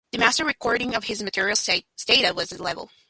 The master recordings of his material stayed with the label.